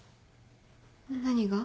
何が？